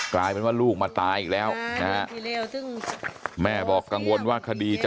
กลายเป็นว่าลูกมาตายอีกแล้วนะฮะแม่บอกกังวลว่าคดีจะ